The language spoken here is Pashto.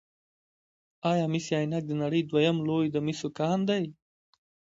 آیا مس عینک د نړۍ دویم لوی د مسو کان دی؟